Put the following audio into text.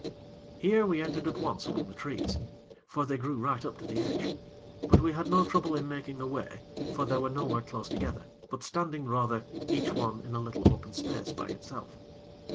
Here, we entered at once among the trees; for they grew right up to the edge; but we had no trouble in making a way; for they were nowhere close together; but standing, rather, each one in a little open space by itself.